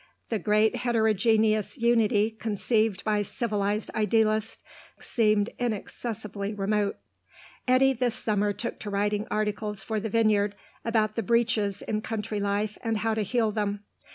The great heterogeneous unity conceived by civilised idealists seemed inaccessibly remote. Eddy this summer took to writing articles for the Vineyard about the breaches in country life and how to heal them.